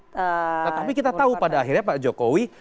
tetapi kita tahu pada akhirnya pak jokowi